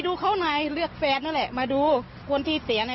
ดูเขาหน่อยเรียกแฟนนั่นแหละมาดูคนที่เสียน่ะ